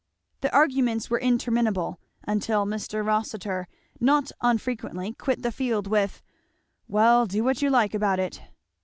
The arguments were interminable, until Mr. Rossitur not unfrequently quit the field with, "Well, do what you like about it!"